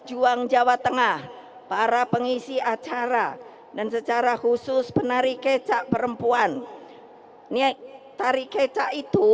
juang jawa tengah para pengisi acara dan secara khusus penari kecak perempuan nia tari kecak itu